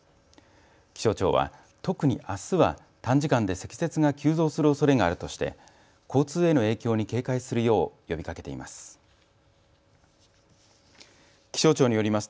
気象庁は特にあすは、短時間で積雪が急増するおそれがあるとして交通への影響に警戒するよう呼びかけています。